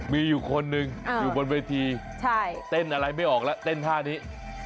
มีอยู่คนหนึ่งอยู่บนเวทีเต้นอะไรไม่ออกแล้วเต้นท่านี้